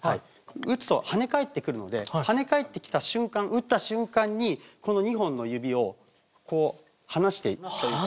打つと跳ね返ってくるので跳ね返ってきた瞬間打った瞬間にこの２本の指をこう離してというか。